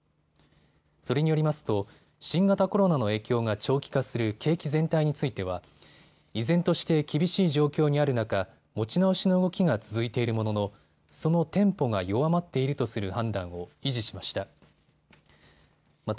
それによりますと新型コロナの影響が長期化する景気全体については依然として厳しい状況にある中、持ち直しの動きが続いているもののそのテンポが弱まっているとする判断を維持しました。